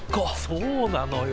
そうなのよ。